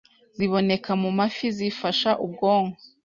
ziboneka mu mafi zifasha ubwonko